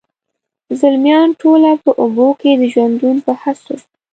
زلمیان ټوله په اوبو کي د ژوندون په هڅو،